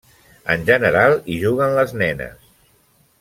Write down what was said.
En general hi juguen les nenes.